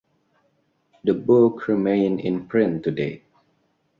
The book remain in print today.